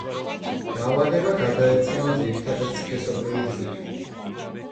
დაავადება გადაეცემა ძირითადად სქესობრივი გზით.